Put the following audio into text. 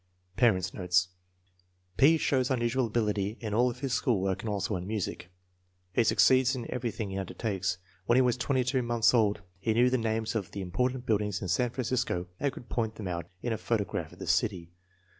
Parents 9 notes. P. shows unusual ability in all of his school work and also in music. He succeeds in everything he undertakes. When he was 22 months old he knew the names of the important buildings in San Francisco and could point them out on a photo graph of the city.